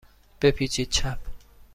بپیچید چپ.